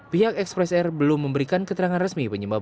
pihak ekspres air belum memberikan keterangan resmi penyebab